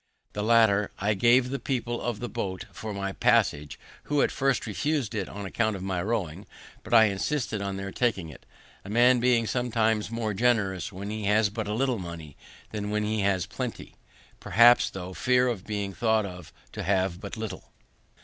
The latter I gave the people of the boat for my passage, who at first refus'd it, on account of my rowing; but I insisted on their taking it. A man being sometimes more generous when he has but a little money than when he has plenty, perhaps thro' fear of being thought to have but little.